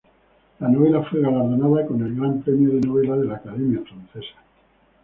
La novela fue galardonada con el Gran Premio de Novela de la Academia Francesa.